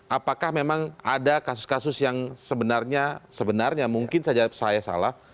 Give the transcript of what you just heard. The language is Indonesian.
apakah memang ada kasus kasus yang sebenarnya mungkin saja saya salah